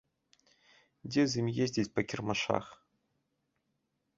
Дзе з ім ездзіць па кірмашах.